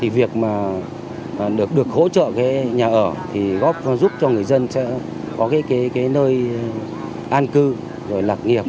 việc được hỗ trợ nhà ở giúp cho người dân có nơi an cư lạc nghiệp